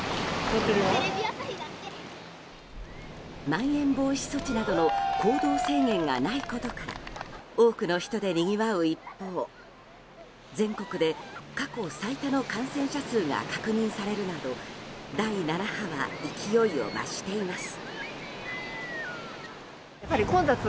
まん延防止措置などの行動制限がないことから多くの人でにぎわう一方全国で過去最多の感染者数が確認されるなど第７波は勢いを増しています。